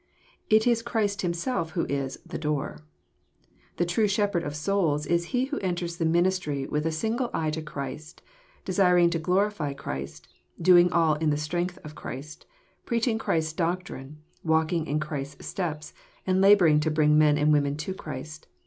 It is Christ Himself who is *' the door." The true shepherd of souls is he who enters ^ the ministry with a single eye to Christ, desiring to glorify Christ, doing all in the strength of Christ, preaching Christ's doctrine, walking in Christ'^ steps, and labouring to bring men and women to Christ.